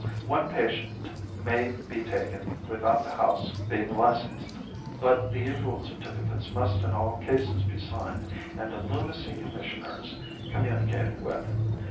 One patient may be taken without the house being licensed, but the usual certificates must in all cases be signed, and the Lunacy Commissioners communicated with.